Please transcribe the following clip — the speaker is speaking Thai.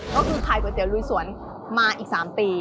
ก็คือขายก๋วเตี๋ยลุยสวนมาอีก๓ปี